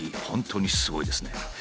本当にすごいですね。